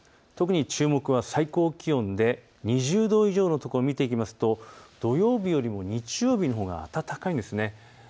特に注目は最高気温で２０度以上のところ見ていきますと土曜日よりも日曜日のほうが暖かいんです。